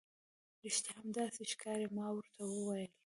رښتیا هم، داسې ښکاري. ما ورته وویل.